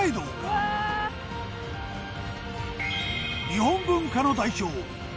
日本文化の代表